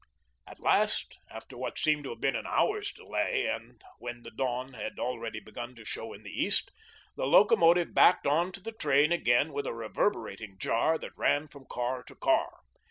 At last, after what seemed to have been an hour's delay, and when the dawn had already begun to show in the east, the locomotive backed on to the train again with a reverberating jar that ran from car to car.